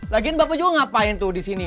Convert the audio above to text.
lagian bapak juga ngapain tuh di sini